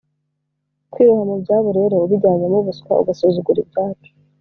kwiroha mu byabo rero ubijyanyemo ubuswa, ugasuzugura ibyacu